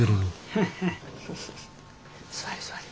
座れ座れ。